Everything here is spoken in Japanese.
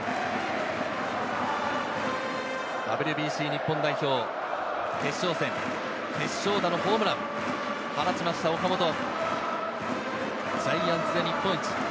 ＷＢＣ日本代表、決勝戦、決勝打のホームランを放ちました、岡本、ジャイアンツで日本一。